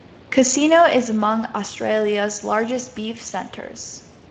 Casino is among Australia's largest beef centres.